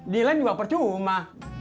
nilain juga percuma